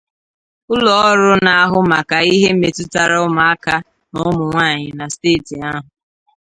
ụlọọrụ na-ahụ maka ihe metụtara ụmụaka na ụmụnwaanyị na steeti ahụ